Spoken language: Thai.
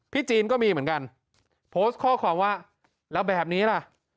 จีนก็มีเหมือนกันโพสต์ข้อความว่าแล้วแบบนี้ล่ะ